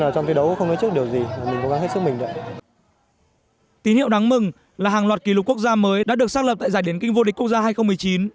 tín hiệu đáng mừng là hàng loạt kỷ lục quốc gia mới đã được xác lập tại giải điền kinh vô địch quốc gia hai nghìn một mươi chín